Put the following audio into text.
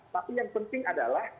tapi yang penting adalah